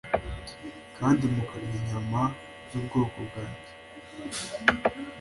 Kandi mukarya inyama z ubwoko bwanjye